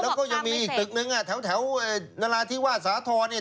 แล้วก็ยังมีอีกตึกนึงแถวนราธิวาสสาธรณ์เนี่ย